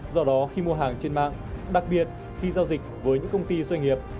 do đó khi mua hàng trên mạng đặc biệt khi giao dịch với những công ty doanh nghiệp